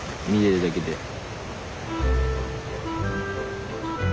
見てるだけで。